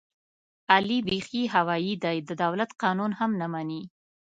علي بیخي هوایي دی، د دولت قانون هم نه مني.